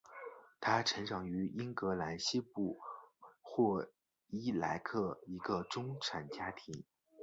她成长于英格兰西北部霍伊莱克一个中产家庭。